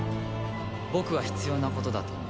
僕は必要なことだと思う。